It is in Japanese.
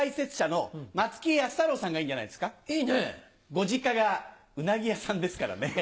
ご実家がうなぎ屋さんですからね。